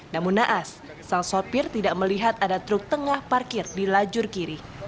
namun naas sang sopir tidak melihat ada truk tengah parkir di lajur kiri